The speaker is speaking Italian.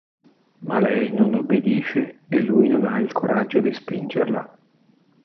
Ma lei non obbedisce e lui non ha il coraggio di spingerla.